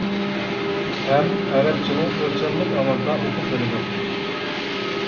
ھەم ئەرەبچىنى ئۆلچەملىك ئاۋازدا ئوقۇپ بېرىدۇ.